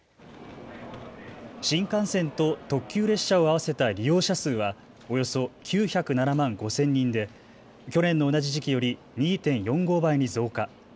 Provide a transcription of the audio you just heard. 新幹線と特急列車を合わせた利用者数はおよそ９０７万５０００人で去年の同じ時期より２．４５倍に増加。